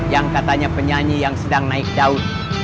yang katanya penyanyi yang sedang naik daun